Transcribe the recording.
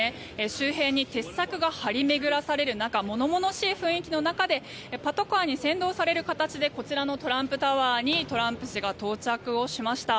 周辺に鉄柵が張り巡らされる中物々しい雰囲気の中でパトカーに先導される形でこちらのトランプタワーにトランプ氏が到着しました。